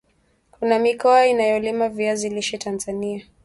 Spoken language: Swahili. Kuna mikoa inayolima viazi lishe Tanzania